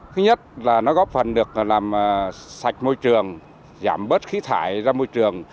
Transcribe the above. thứ nhất là nó góp phần được làm sạch môi trường giảm bớt khí thải ra môi trường